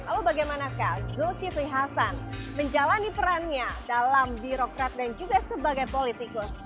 lalu bagaimana zul siti hasan menjalani perannya dalam birokrat dan juga sebagai politikus